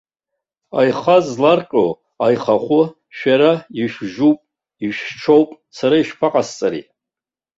Аиха зларҟьо аихахәы шәара ишәжьуп-ишәцәоуп, сара ишԥаҟасҵари?